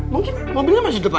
mungkin mobilnya masih depan